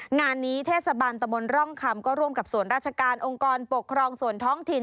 งานนี้เทศบาลตะมนต์ร่องคำก็ร่วมกับส่วนราชการองค์กรปกครองส่วนท้องถิ่น